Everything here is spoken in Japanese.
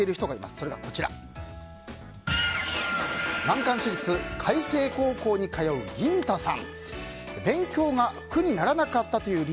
それが難関私立開成高校に通うぎん太さん。